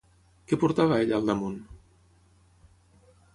Què portava ella al damunt?